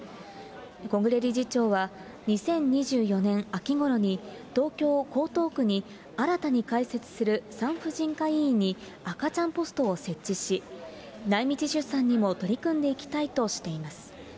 小暮理事長は、２０２４年秋ごろに、東京・江東区に新たに開設する産婦人科医院に赤ちゃんポストを設置し、内密出産にも取り組んでいきたいとしています。